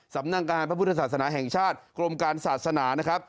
สำนักการพระพุทธศาสนาแห่งชาติกรมการศาสนานะครับ